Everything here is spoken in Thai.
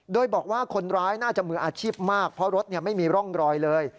โดยบอกว่าคนร้ายน่าจะมืออาชีพมากเพราะรถไม่มีร่องรอยเลย